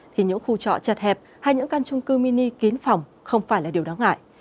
thì những khu trọ chật hẹp hay những căn trung cư mini kín phòng không phải là điều đáng ngại